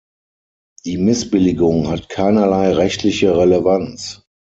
Die Missbilligung hat keinerlei rechtliche Relevanz.